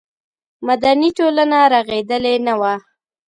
مدني ټولنه رغېدلې نه وه.